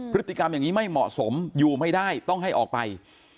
พฤติกรรมอย่างนี้ไม่เหมาะสมอยู่ไม่ได้ต้องให้ออกไป